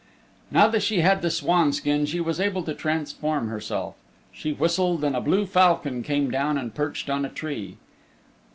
Now that she had the swanskin she was able to transform herself. She whistled and a blue falcon came down and perched on a tree.